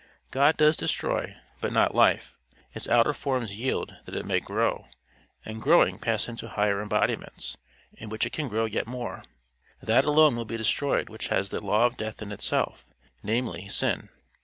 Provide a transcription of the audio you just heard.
God does destroy; but not life. Its outer forms yield that it may grow, and growing pass into higher embodiments, in which it can grow yet more. That alone will be destroyed which has the law of death in itself namely, sin.